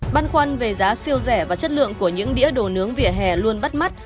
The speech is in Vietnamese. băn khoăn về giá siêu rẻ và chất lượng của những đĩa đồ nướng vỉa hè luôn bắt mắt